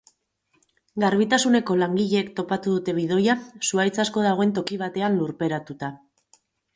Garbitasuneko langileek topatu dute bidoia zuhaitz asko dagoen toki batean lurperatuta.